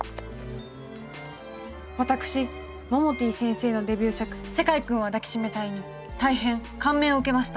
私モモティ先生のデビュー作「世界くんは抱きしめたい」に大変感銘を受けました。